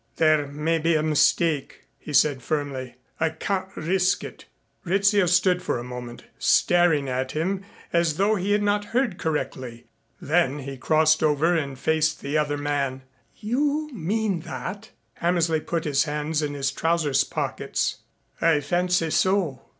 "There may be a mistake," he said firmly. "I can't risk it." Rizzio stood for a moment staring at him as though he had not heard correctly. Then he crossed over and faced the other man. "You mean that?" Hammersley put his hands in his trousers pockets. "I fancy so."